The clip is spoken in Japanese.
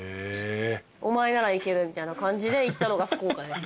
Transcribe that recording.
「お前ならイケる」みたいな感じで行ったのが福岡です。